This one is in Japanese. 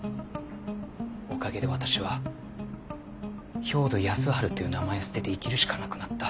おかげで私は兵働耕春という名前を捨てて生きるしかなくなった。